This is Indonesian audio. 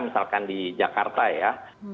misalkan di jakarta ya